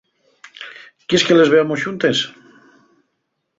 ¿Quies que les veamos xuntes?